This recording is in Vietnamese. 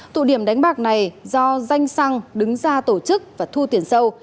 tụ điểm đánh bạc này do danh xăng đứng ra tổ chức và thu tiền sâu